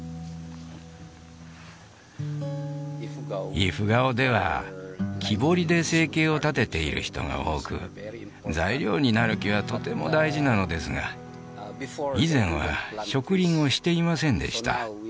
イフガオでは木彫りで生計を立てている人が多く材料になる木はとても大事なのですが以前は植林をしていませんでした